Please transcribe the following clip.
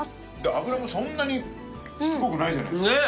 脂もそんなにしつこくないじゃないですか。ねぇ。